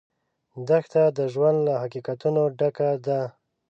دښته د ژوند له حقیقتونو ډکه ده.